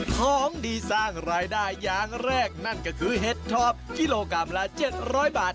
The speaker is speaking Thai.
ของดีสร้างรายได้อย่างแรกนั่นก็คือเห็ดทอบกิโลกรัมละ๗๐๐บาท